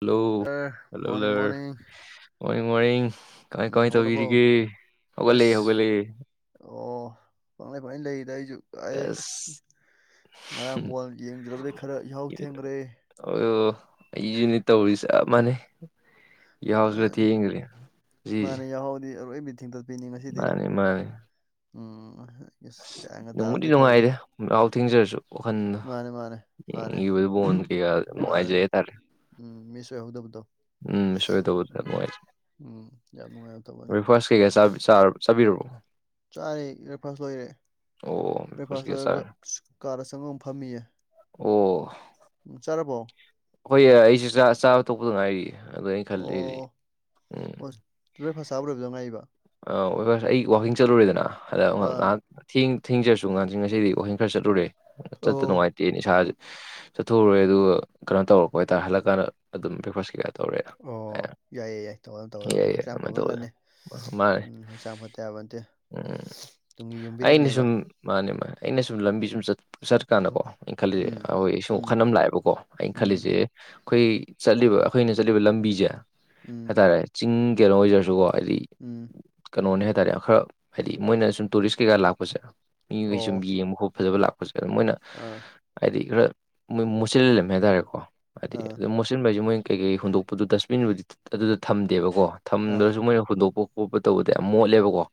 Hello ꯑꯦ morning ꯍꯜꯂꯣꯂꯔ morning morning morning ꯀꯃꯥꯏ ꯎꯝ ꯀꯃꯥꯏ ꯍꯧꯒꯠꯂꯕꯣ ꯇꯧꯕꯤꯔꯤꯒꯦ ꯑꯁ ꯍꯧꯒꯠꯂꯠꯂꯦ ꯍꯧꯒꯠꯂꯠꯂꯦ ꯑꯣ ꯄꯪꯂꯩ ꯄꯪꯂꯩ ꯂꯩꯔꯤꯗ ꯑꯩꯁꯨ ꯑꯩ ꯑꯁ ꯉꯔꯥꯡꯕꯣꯣꯟ ꯌꯦꯡꯗ꯭ꯔꯕꯗꯤ ꯈꯔ ꯌꯥꯍꯥꯎ ꯊꯦꯡꯈ꯭ꯔꯦ ꯑꯣ ꯑꯩꯁꯨꯅꯤ ꯇꯧꯔꯤ ꯆꯞ ꯃꯥꯟꯅꯩ ꯌꯥꯎꯁ ꯔ ꯊ ꯌꯦꯡꯦ ꯖꯤ ꯌꯥꯎꯗꯤ ꯑꯔꯣꯏꯕꯤ ꯊꯤꯡ ꯃꯥꯅꯤ ꯃꯥꯅꯤ ꯎꯝ ꯑꯁ ꯒ꯭ꯌꯥꯟꯒ ꯇꯥꯕ ꯅꯣꯡꯃꯗꯤ ꯅꯠꯇꯦ ꯇꯧꯔꯤꯁꯦ ꯅꯨꯡꯉꯥꯏꯔꯦ ꯂꯩꯥꯎ ꯊꯦꯡꯖꯔꯁꯨ ꯋꯥꯈꯜꯗ ꯃꯥꯅꯦ ꯃꯥꯅꯦ ꯃꯥꯅꯦ ꯏꯕꯗꯤ ꯟꯒ ꯃꯥꯅꯦ ꯃꯖꯥ ꯌꯇꯥꯔꯦ ꯎꯝ ꯃꯤꯁ ꯑꯣꯏ ꯍꯧꯗꯕꯗꯣ ꯎꯝ ꯁꯣꯏꯗꯧꯕꯗ ꯅꯨꯡꯉꯥꯏꯖꯔꯦ ꯎꯝ ꯌꯥꯝ ꯅꯨꯡꯉꯥꯏꯕ ꯇꯧꯕꯅꯦ ꯕ꯭ꯔꯦꯛꯐꯥꯁ ꯀꯩꯀꯥꯥ ꯆꯥꯕꯤꯔꯕꯣ ꯆꯥꯔꯦ ꯕ꯭ꯔꯦꯛꯐꯥꯁ ꯂꯣꯏꯔꯦ ꯑꯣ ꯕ꯭ꯔꯦꯛꯐꯥꯁ ꯀꯩꯀꯥ ꯂꯣꯏꯔꯒ ꯆꯥꯔꯦ ꯀꯥꯗ ꯆꯪꯉ ꯑꯃꯨꯛ ꯐꯝꯃꯤꯌꯦ ꯎꯝ ꯆꯥꯔꯕꯣ ꯍꯣꯌꯏ ꯑꯩꯁꯨ ꯆꯥꯕ ꯇꯣꯛꯄꯗ ꯉꯥꯏꯔꯤ ꯑꯗꯨꯗ ꯑꯩꯅ ꯈꯜꯂꯤꯗꯤ ꯑꯣ ꯑꯣ ꯕ꯭ꯔꯦꯛꯐꯥꯁ ꯆꯥꯕ ꯂꯣꯏꯕꯗ ꯉꯥꯏꯔꯤꯕ ꯑꯩ ꯋꯥꯥꯛꯀꯤꯡ ꯆꯠꯂꯨꯔꯦꯗꯅ ꯑꯗ ꯑꯥ ꯉꯥꯏꯍꯥꯛ ꯊꯦꯡ ꯊꯦꯡꯖꯔꯁꯨ ꯉꯥꯡꯁꯤ ꯉꯁꯤꯗꯤ ꯋꯥꯀꯤꯡ ꯈꯔ ꯆꯠꯂꯨꯔꯦ ꯆꯠꯇ ꯑꯣ ꯅꯨꯡꯉꯥꯏꯇꯦꯅ ꯇꯦ ꯏꯁꯥꯖꯦ ꯆꯠꯊꯣꯛꯎꯔꯦ ꯑꯗꯨꯒ ꯀꯩꯅꯣ ꯇꯧꯔꯛꯄ ꯍꯥꯏꯇꯥꯔꯦ ꯍꯜꯂꯛꯀꯥꯟꯗ ꯑꯗꯨꯝ ꯕ꯭ꯔꯦꯛꯐꯥꯁ ꯀꯩꯀ ꯑꯣ ꯌꯥꯏꯌꯦ ꯌꯥꯏ ꯇꯧꯗ ꯌꯥꯏ ꯇꯧꯒꯗ ꯌꯥꯏ ꯍꯛꯆꯥꯡ ꯑꯗꯨꯃꯥꯏꯅ ꯐꯕꯅ ꯇꯧꯋꯦ ꯂꯟꯅꯤ ꯃꯥ- ꯃꯥꯅꯦ ꯎꯝ ꯍꯛꯆꯥꯡ ꯐꯠꯇ ꯌꯥꯕ ꯅꯠꯇꯦ ꯎꯝ ꯇꯨꯡꯒꯤ ꯑꯩꯅ ꯌꯨꯝꯕꯤꯔꯦꯟꯅꯦꯕ ꯁꯨꯝ ꯃꯥꯅꯦ ꯃꯥꯅꯦ ꯑꯩꯅ ꯁꯨꯝ ꯂꯝꯕꯤ ꯁꯨꯝ ꯆꯠꯄ ꯆꯠꯀꯥꯟꯗꯀꯣ ꯑꯩꯅ ꯈꯜꯂꯤꯁꯦ ꯎꯝ ꯑꯩꯈꯣꯏ ꯁꯨꯝ ꯎꯝ ꯋꯥꯈꯜ ꯑꯃ ꯂꯥꯛꯑꯦꯕꯀꯣ ꯑꯩꯅ ꯎꯝ ꯈꯜꯂꯤꯁꯦ ꯑꯩꯈꯣꯏ ꯆꯠꯂꯤꯕ ꯑꯩꯈꯣꯏꯅ ꯆꯠꯂꯤꯕ ꯂꯝꯕꯤꯁꯦ ꯎꯝ ꯍꯥꯏꯇꯥꯔꯦ ꯆꯤꯡ ꯀꯩꯅꯣ ꯑꯣꯏꯖꯔꯁꯨꯀꯣ ꯍꯥꯏꯗꯤ ꯎꯝ ꯀꯩꯅꯣꯅꯦ ꯍꯥꯏꯇꯥꯔꯦ ꯈꯔ ꯍꯥꯏꯗꯤ ꯃꯣꯏꯅ ꯁꯨꯝ ꯇꯨꯔꯤꯁ ꯀꯩꯀꯥ ꯂꯥꯛꯄꯁꯦ ꯃꯤꯈꯩ ꯁꯨꯝ ꯑꯣ ꯌꯦꯡꯕ ꯈꯣꯠ ꯐꯖꯕ ꯂꯥꯛꯄ ꯍꯧꯖꯤꯛ ꯃꯣꯏꯅ ꯑꯥ ꯍꯥꯏꯗꯤ ꯈꯔꯥ ꯃꯣꯠꯆꯜꯂꯝꯃꯦ ꯍꯥꯏꯇꯥꯔꯦꯀꯣ ꯍꯥꯏꯗꯤ ꯑꯥ ꯑꯗꯨꯝ ꯃꯣꯠꯁꯤꯟꯕ ꯍꯥꯏꯁ ꯃꯣꯏ ꯀꯩꯀꯩ ꯍꯨꯟꯗꯣꯛꯄꯗꯨ ꯗꯁꯕꯤꯟꯕꯨꯗꯤ ꯑꯗꯨꯗ ꯊꯝꯗꯦꯕꯀꯣ ꯑꯥ ꯊꯝꯗ꯭ꯔꯁꯨ ꯃꯣꯏꯅ ꯍꯨꯟꯗꯣꯛꯄ ꯈꯣꯠꯄ ꯇꯧꯕꯗ ꯌꯥꯝ ꯃꯣꯠꯂꯦꯕꯀꯣ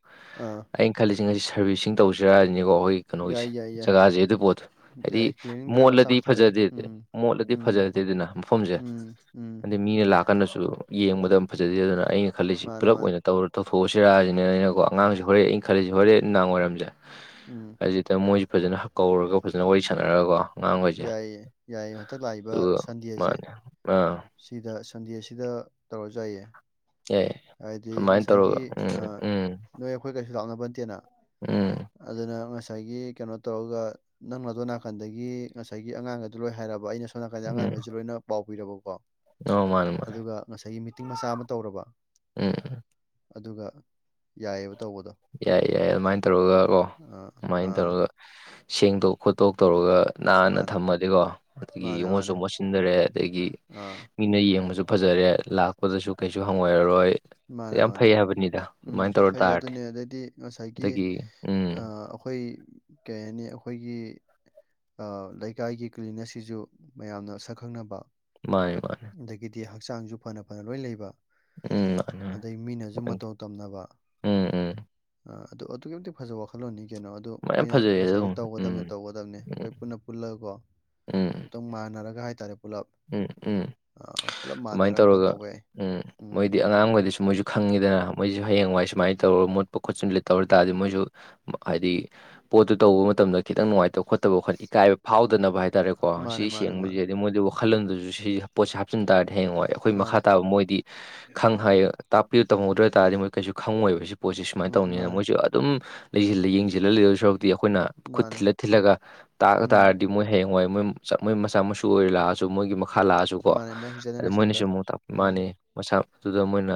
ꯑꯥ ꯑꯩꯅ ꯈꯜꯂꯤꯁꯤ ꯉꯁꯤ ꯁꯥꯔꯕꯤꯁꯤꯡ ꯇꯧꯁꯤꯔꯁꯤꯅꯤꯀꯣ ꯑꯩꯈꯣꯏ ꯀꯩꯅꯣꯒꯤꯁꯦ ꯌꯥꯏ ꯌꯥꯏ ꯌꯥꯏ ꯖꯒꯥꯁꯦ ꯑꯗꯨ ꯄꯣꯠꯇꯣ ꯍꯥꯏꯗꯤ ꯌꯥꯏ ꯀ꯭ꯂꯤꯅꯤꯡ ꯗ꯭ꯔꯥꯏꯕ ꯃꯆꯥ ꯃꯣꯠꯂꯗꯤ ꯑꯃꯁꯨ ꯊꯥꯕ ꯌꯥꯏ ꯐꯖꯗꯦꯗꯤ ꯎꯝ ꯃꯣꯠꯂꯗꯤ ꯎꯝ ꯐꯖꯗꯦꯗꯅ ꯃꯐꯝꯁꯦ ꯎꯝ ꯎꯝ ꯃꯤꯅ ꯂꯥꯛꯀꯥꯟꯗꯁꯨ ꯌꯦꯡꯕꯗ ꯐꯖꯗꯦꯗꯅ ꯑꯩꯅ ꯈꯜꯂꯤꯁꯤ ꯃꯥꯅꯦ ꯄꯨꯂꯞ ꯃꯥꯅꯦ ꯑꯣꯏꯅ ꯇꯧꯔ ꯇꯧꯊꯣꯛꯑꯁꯤꯔꯁꯤꯅꯦ ꯑꯩꯅꯀꯣ ꯑꯉꯥꯡꯁꯤꯡ ꯍꯣꯔꯦꯟ ꯑꯩꯅ ꯈꯜꯂꯤꯁꯤ ꯍꯣꯔꯦꯟ ꯅꯨꯡꯗꯥꯡ ꯋꯥꯏꯔꯝꯁꯦ ꯎꯝ ꯁꯤꯗ ꯃꯣꯏꯁꯤ ꯐꯖꯅ ꯀꯧꯔꯒ ꯐꯖꯅ ꯋꯥꯔꯤ ꯁꯥꯟꯅꯔꯒꯀꯣ ꯑꯉꯥꯡꯈꯩꯁꯦ ꯌꯥꯏꯌꯦ ꯌꯥꯏꯌꯦ ꯍꯟꯗꯛ ꯂꯥꯛꯏꯕ ꯑꯗꯨꯒ ꯁꯟꯗꯦꯁꯦ ꯃꯥꯅꯦ ꯑꯥ ꯁꯤꯗ ꯁꯟꯗꯦꯁꯤꯗ ꯇꯧꯔꯁꯨ ꯌꯥꯏꯌꯦ ꯑꯦ ꯍꯥꯏꯕꯗꯤ ꯑꯗꯨꯃꯥꯏꯅ ꯉꯁꯥꯏꯒꯤ ꯇꯧꯔꯒ ꯎꯝ ꯎꯝ ꯅꯣꯏ ꯑꯩꯈꯣꯏ ꯀꯩꯁꯨ ꯂꯥꯛꯅꯕ ꯅꯇꯦꯅ ꯎꯝ ꯑꯗꯨꯅ ꯉꯁꯥꯏꯒꯤ ꯀꯩꯅꯣ ꯇꯧꯔꯒ ꯅꯪ ꯑꯗꯣ ꯅꯥꯀꯟꯗꯒꯤ ꯉꯁꯥꯏꯒꯤ ꯑꯉꯥꯡꯒꯗꯨ ꯂꯣꯏ ꯍꯥꯏꯔꯕ ꯑꯩꯅ ꯁꯣꯝ ꯅꯥꯀꯟꯗ ꯑꯉꯥꯡꯒꯁ ꯂꯣꯏꯅ ꯄꯥꯎ ꯄꯤꯔꯕꯀꯣ ꯑ ꯃꯥꯥꯟ ꯑꯗꯨꯒ ꯉꯁꯥꯏꯒꯤ ꯃꯤꯇꯤꯡ ꯃꯆꯥ ꯑꯃ ꯇꯧꯔꯕ ꯎꯝ ꯑꯗꯨꯒ ꯌꯥꯏꯑꯕ ꯇꯧꯕꯗꯣ ꯌꯥꯏ ꯌꯥꯏ ꯑꯗꯨꯃꯥꯏꯅ ꯇꯧꯔꯒ ꯀꯣ ꯑꯥ ꯑꯗꯨꯃꯥꯏꯅ ꯑꯥ ꯇꯧꯔꯒ ꯁꯦꯡꯗꯣꯛ ꯈꯣꯠꯇꯣꯛ ꯇꯧꯔꯒ ꯅꯥꯟꯅ ꯃꯥꯅꯦ ꯊꯝꯃꯗꯤꯀꯣ ꯑꯗꯒꯤ ꯃꯥꯅꯦ ꯃꯣꯠꯁꯨ ꯃꯥꯅꯦ ꯃꯣꯠꯁꯤꯟꯗꯔꯦ ꯑꯗꯒꯤ ꯑꯥ ꯃꯤꯅ ꯌꯦꯡꯕꯁꯨ ꯐꯖꯔꯦ ꯂꯥꯛꯄꯗꯁꯨ ꯀꯩꯁꯨ ꯍꯪꯒꯣꯏꯔꯔꯣꯏ ꯃꯥꯅꯦ ꯌꯥꯝ ꯃꯥꯅꯦ ꯐꯩ ꯍꯥꯏꯕꯅꯤꯗ ꯎꯝ ꯑꯗꯨꯃꯥꯏꯅ ꯇꯧꯔ ꯐꯩ ꯇꯥꯔꯗꯤ ꯑꯗꯨꯅꯦ ꯑꯗꯩꯗꯤ ꯉꯁꯥꯏꯒꯤ ꯑꯗꯒꯤ ꯎꯝ ꯑꯩꯈꯣꯏ ꯀꯩ ꯍꯥꯏꯅꯤ ꯑꯩꯈꯣꯏꯒꯤ ꯂꯩꯀꯥꯏꯒꯤ ꯀ꯭ꯂꯤꯅꯦꯁꯁꯤꯁꯨ ꯃꯌꯥꯝꯅ ꯁꯛ ꯈꯪꯅꯕ ꯃꯥꯅꯦ ꯃꯥꯅꯦ ꯑꯗꯒꯤꯗꯤ ꯍꯛꯆꯥꯡꯁꯨ ꯐꯅ ꯐꯅ ꯂꯣꯏ ꯂꯩꯕ ꯎꯝ ꯃꯥꯅꯦ ꯑꯗꯩ ꯃꯤꯅꯁꯨ ꯃꯇꯧ ꯇꯝꯅꯕ ꯎꯝ ꯎꯝ ꯑ ꯑꯗꯨ ꯑꯗꯨꯛꯀꯤꯛ ꯐꯖ ꯋꯥꯈꯜꯂꯣꯟꯅꯤ ꯀꯩꯅꯣ ꯑꯗꯨ ꯃꯌꯥꯝ ꯑꯩꯈꯣꯏꯅ ꯐꯖꯩꯌꯦ ꯉꯁꯥꯏꯒꯤ ꯑꯗꯨꯝ ꯎꯝ ꯇꯧꯒꯗꯕꯅꯤ ꯇꯧꯒꯗꯕꯅꯦ ꯑꯩꯈꯣꯏ ꯄꯨꯟꯅ ꯄꯨꯜꯂꯒꯀꯣ ꯎꯝ ꯎꯝ ꯑꯃꯨꯛꯇꯪ ꯃꯥꯟꯅꯔꯒ ꯍꯥꯏꯇꯥꯔꯦ ꯄꯨꯂꯞ ꯎꯝ ꯎꯝ ꯑꯥ, ꯄꯨꯂꯞ ꯑꯗꯨꯃꯥꯏꯅ ꯃꯥꯟꯅꯔꯒ ꯑꯝꯇꯪ ꯇꯧꯔꯒ ꯇꯧꯕ ꯌꯥꯏ ꯎꯝ ꯃꯣꯏꯗꯤ ꯑꯉꯥꯡꯈꯩꯗꯁꯨ ꯃꯣꯏꯁꯨ ꯈꯪꯉꯤꯗꯅ ꯃꯣꯏꯁꯨ ꯍꯌꯦꯡꯋꯥꯏ ꯁꯨꯃꯥꯏꯅ ꯇꯧꯔ ꯃꯨꯠꯄ ꯈꯣꯠꯆꯤꯟꯂ ꯇꯧꯔ ꯇꯥꯔꯗꯤ ꯃꯣꯏꯁꯨ ꯍꯥꯏꯗꯤ ꯄꯣꯠꯇꯨ ꯇꯧꯕ ꯃꯇꯝꯗ ꯈꯤꯇꯪ ꯅꯨꯡꯉꯥꯏꯇꯕ ꯈꯣꯠꯇꯕ ꯈ ꯏꯀꯥꯏꯕ ꯐꯥꯎꯗꯅꯕ ꯍꯥꯏꯇꯥꯔꯦꯣ ꯀꯣ ꯃꯥꯅꯦ ꯁꯤ ꯃꯥꯅꯦ ꯁꯦꯡꯕꯕꯁꯤ ꯃꯥꯅꯦ ꯍꯥꯏꯗꯤ ꯃꯣꯏꯗ ꯋꯥꯈꯜꯂꯣꯟꯗꯨꯁꯨ ꯁꯤꯦ ꯄꯣꯠꯁꯦ ꯍꯥꯞꯆꯤꯟ ꯇꯥꯔꯗꯤ ꯍꯌꯦꯡꯉꯑꯣꯏꯦꯕ ꯑꯩꯈꯣꯏ ꯃꯥꯅꯦ ꯃꯈꯥ ꯇꯥꯕ ꯃꯣꯏꯗꯤ ꯈꯪ ꯍꯥꯏ ꯇꯥꯛꯄꯤꯌꯨ ꯇꯝꯍꯧꯗ꯭ꯔꯕ ꯇꯥꯔꯗꯤ ꯃꯣꯏ ꯀꯩꯁꯨ ꯈꯪꯉꯣꯏꯕ ꯄꯣꯠꯁꯦ ꯁꯨꯃꯥꯏꯅ ꯃꯥ- ꯇꯧꯅꯤꯅ ꯃꯥꯅꯦ ꯃꯣꯏꯁꯨꯦ ꯑꯗꯨꯝꯜꯂ ꯌꯦꯡꯁꯤꯜꯂ ꯂꯩꯔ ꯁꯔꯛꯇꯤ ꯑꯩꯈꯣꯏꯅ ꯈꯨꯠ ꯃꯥꯅꯦ ꯊꯤꯜꯂ ꯊꯤꯜꯂꯒ ꯇꯥꯛꯑ ꯎꯝ ꯇꯥꯔꯗꯤ ꯃꯣꯏ ꯍꯌꯦꯡꯋꯥꯏ ꯃꯣꯏ ꯃꯣꯏ ꯃꯆꯥ ꯃꯁꯨ ꯑꯣꯏꯔꯦ ꯂꯥꯛꯑ ꯁꯨ ꯃꯣꯏꯒꯤ ꯃꯈꯥ ꯂꯥꯛꯑꯁꯨ ꯀꯣ ꯃꯥꯅꯦ ꯅꯦꯛꯁ ꯑꯗꯨ ꯖꯦꯅꯦꯔꯦꯁꯟꯗ ꯃꯣꯏꯅꯁꯨ ꯑꯃꯨꯛ ꯇꯥꯛꯄꯤ ꯎꯝ ꯃꯥꯅꯤ ꯃꯁꯥ ꯑꯗꯨꯗ ꯃꯣꯏꯅ